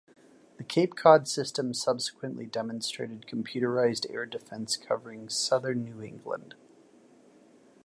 The Cape Cod System subsequently demonstrated computerized air defence covering southern New England.